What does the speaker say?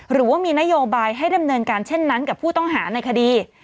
หรือว่ามีนโยบายให้ดำเนินการเช่นนั้นกับผู้ต้องหาในคดี